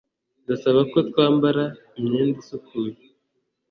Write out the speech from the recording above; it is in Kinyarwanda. Ndasaba ko twambara imyenda isukuye.